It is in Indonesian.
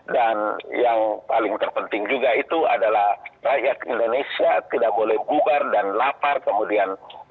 dan yang paling terpenting itu juga adalah rakyat indonesia tidak boleh bubar dan lapar dalam masa pandemi